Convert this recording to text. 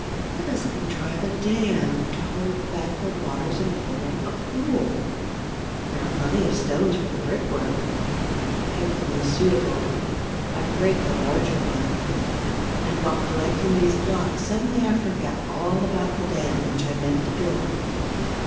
Let us contrive a dam to hold back the waters and form a pool. There are plenty of stones for the brickwork. I pick the most suitable; I break the larger ones. And, while collecting these blocks, suddenly I forget all about the dam which I meant to build.